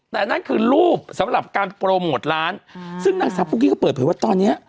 แต่นั่นคือรูปสำหรับการโปรโมทร้านซึ่งนางสาวปุ๊กกี้ก็เปิดเผยว่าตอนเนี้ย